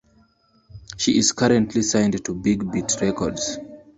She is currently signed to Big Beat Records.